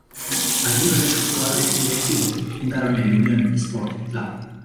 Algunos de sus jugadores y directivos fundaron el Unión Sport Club.